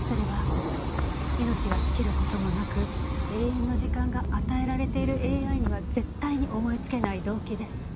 それは命が尽きる事もなく永遠の時間が与えられているＡＩには絶対に思いつけない動機です。